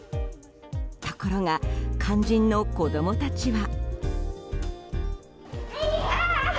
ところが、肝心の子供たちは。